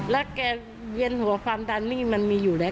แล้วแกเวียนหัวความดันนี่มันมีอยู่แล้ว